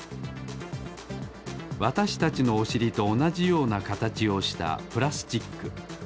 わたしたちのおしりとおなじようなかたちをしたプラスチック。